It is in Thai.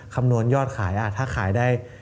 คำนวณยอดขายถ้าขายได้